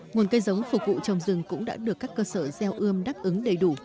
nguồn cây giống phục vụ trồng rừng cũng đã được các cơ sở gieo ươm đáp ứng đầy đủ